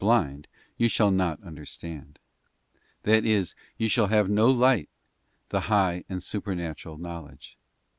BOOK blind you shall not understand'—that is, you shall have no Tei ight, the high and supernatural knowledge.